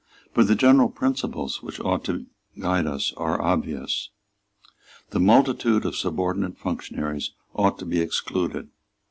But the general principles which ought to guide us are obvious. The multitude of subordinate functionaries ought to be excluded.